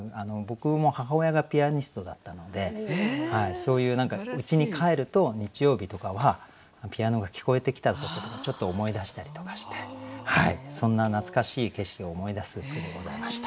そういううちに帰ると日曜日とかはピアノが聞こえてきたこととかちょっと思い出したりとかしてそんな懐かしい景色を思い出す句でございました。